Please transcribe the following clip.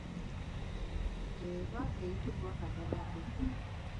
Eba eyitibwa kadagado.